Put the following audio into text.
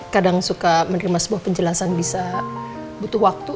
kadang suka menerima sebuah penjelasan bisa butuh waktu